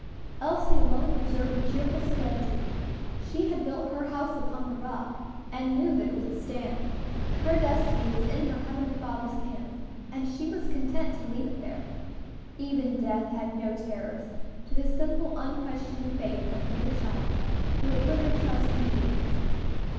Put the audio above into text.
Elsie alone preserved a cheerful serenity. She had built her house upon the rock, and knew that it would stand. Her destiny was in her Heavenly Father's hands, and she was content to leave it there. Even death had no terrors to the simple, unquestioning faith of the little child who had put her trust in Jesus.